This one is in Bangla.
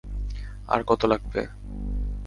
আর কতো লাগাবে!